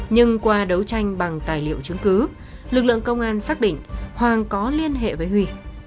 nhưng qua đấu tranh bằng tài liệu chứng cứ lực lượng công an xác định hoàng có liên hệ với huy